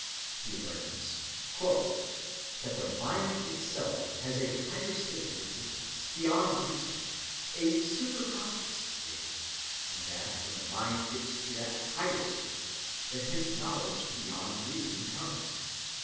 He learns— "That the mind itself has a higher state of existence, beyond reason, a superconscious state, and that when the mind gets to that higher state, then this knowledge beyond reasoning comes....